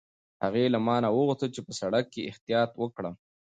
هغې له ما نه وغوښتل چې په سړک کې احتیاط وکړم.